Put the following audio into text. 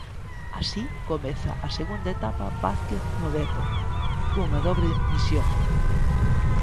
Así comeza a segunda etapa Vázquez no Dépor, cunha dobre misión.